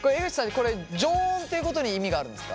これ常温っていうことに意味があるんですか？